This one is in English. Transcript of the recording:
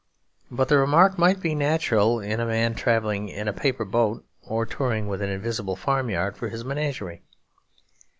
But the remark might be natural in a man travelling in paper boats, or touring with an invisible farmyard for his menagerie.